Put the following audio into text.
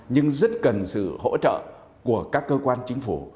nhưng rất cần sự hỗ trợ của các cơ quan chính phủ